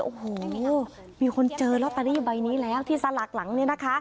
โอ้โหมีคนเจอลอตเตอรี่ใบนี้แล้วที่สลากหลังเนี่ยนะคะ